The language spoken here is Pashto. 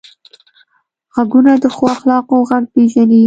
غوږونه د ښو اخلاقو غږ پېژني